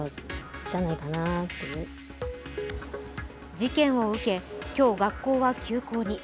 事件を受け今日、学校は休校に。